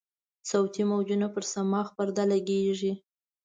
صوتي موجونه پر صماخ پرده لګیږي.